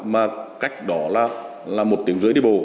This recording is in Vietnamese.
mà cách đó là một tiếng rưỡi đi bồ